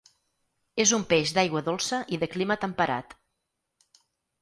És un peix d'aigua dolça i de clima temperat.